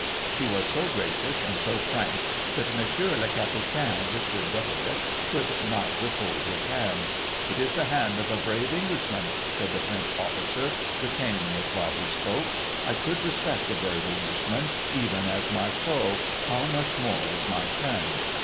He was so gracious and so frank that Monsieur le Capitaine Richard Doubledick could not withhold his hand. ' It is the hand of a brave Englishman,* said the French officer, retaining it while he spoke. ' I could respect a brave Englishman, even as my foe, how much more as my friend